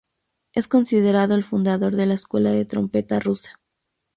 Es considerado el fundador de la escuela de trompeta rusa.